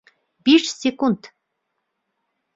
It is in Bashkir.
Биш секунд!